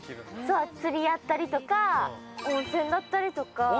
あと釣りやったりとか温泉だったりとか。